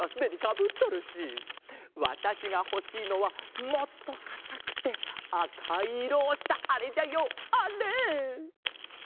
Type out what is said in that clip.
わたしがほしいのはもっとかたくてあかいいろをしたあれじゃよあれ！